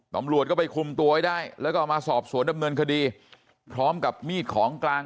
ตำรวจก็ไปคุมตัวไว้ได้แล้วก็มาสอบสวนดำเนินคดีพร้อมกับมีดของกลาง